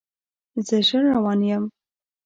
زه ژر روان یم